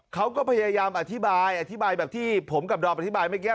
เขาก็พยายามอธิบายอธิบายแบบที่ผมกับดอมอธิบายเมื่อกี้